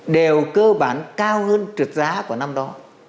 đều cơ bản cao hơn trượt giá của năm đó